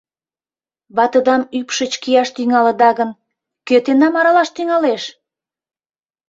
Ватыдам ӱпшыч кияш тӱҥалыда гын, кӧ тендам аралаш тӱҥалеш?